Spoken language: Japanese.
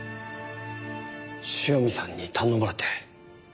塩見さんに頼まれて。